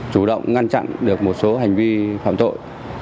chủ động ngăn chặn được một số hành vi phạm tội